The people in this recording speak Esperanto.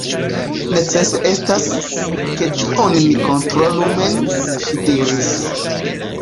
Necese estas, ke tion mi kontrolu mem, ŝi diris.